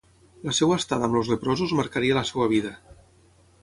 La seva estada amb els leprosos marcaria la seva vida.